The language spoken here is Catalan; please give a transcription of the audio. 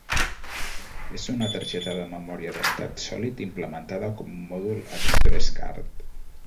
És una targeta de memòria d'estat sòlid implementada com un mòdul ExpressCard.